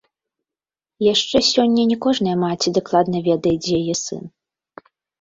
І яшчэ сёння не кожная маці дакладна ведае, дзе яе сын.